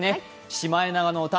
「シマエナガの歌」